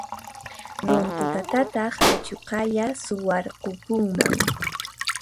Runtutataq achuqalla suwarqukunman.